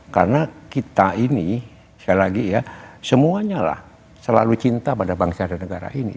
karena kita ini sekali lagi ya semuanyalah selalu cinta pada bangsa dan negara ini